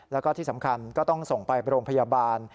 แล้วก็ที่สำคัญก็ต้องส่งไปโรงพยาบาล